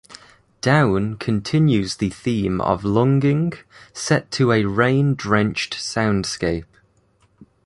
"Down" continues the theme of longing, set to a rain-drenched soundscape.